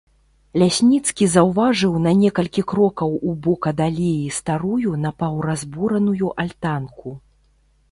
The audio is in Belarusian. Лясніцкі заўважыў на некалькі крокаў у бок ад алеі старую напаўразбураную альтанку.